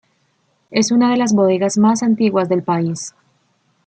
Es una de las bodegas más antiguas del país.